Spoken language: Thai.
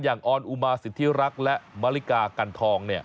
ออนอุมาสิทธิรักษ์และมริกากันทอง